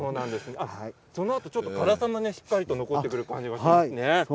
そのあと、辛さもしっかり残ってくる感じがしますね。